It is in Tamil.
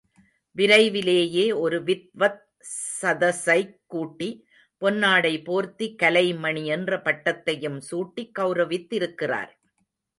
விரைவிலேயே, ஒரு வித்வத் சதஸைக் கூட்டி, பொன்னாடை போர்த்தி, கலைமணி என்ற பட்டத்தையும் சூட்டி கௌரவித்திருக்கிறார்.